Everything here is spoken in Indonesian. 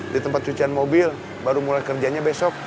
di tempat cucian mobil baru mulai kerjanya besok